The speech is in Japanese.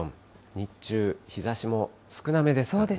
日中、日ざしも少なめですね。